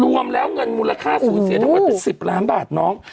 รวมแล้วเงินมูลค่าสูญเสียทั้งหมดเป็น๑๐ล้านบาทน้อง